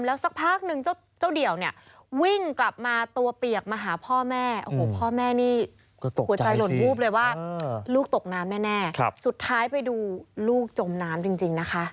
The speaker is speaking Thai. แล้วสักพักหนึ่งอันนี้